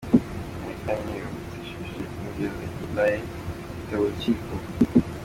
Amerika yaramwihutishirize imugeza i La Haye, yitaba urukiko.